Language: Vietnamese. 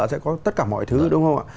sẽ có tất cả mọi thứ đúng không ạ